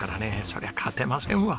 そりゃ勝てませんわ。